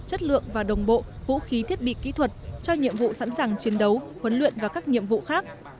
chất lượng và đồng bộ vũ khí thiết bị kỹ thuật cho nhiệm vụ sẵn sàng chiến đấu huấn luyện và các nhiệm vụ khác